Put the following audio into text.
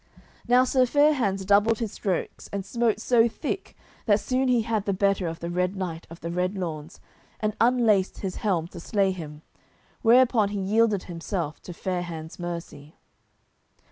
Now Sir Fair hands doubled his strokes and smote so thick that soon he had the better of the Red Knight of the Red Lawns, and unlaced his helm to slay him, whereupon he yielded himself to Fair hands' mercy.